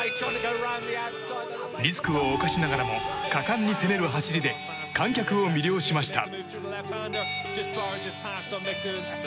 リスクを冒しながらも果敢に攻める走りで観客を魅了しました。